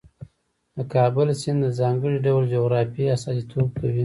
د کابل سیند د ځانګړي ډول جغرافیې استازیتوب کوي.